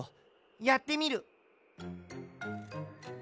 やってみる。